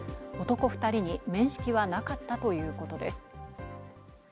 男２人に面識はなかったということです。